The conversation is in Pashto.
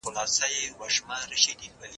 زه به سبا د ژبي تمرين وکړم!